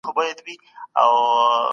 دا مستقيم خط دئ.